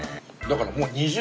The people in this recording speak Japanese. だから。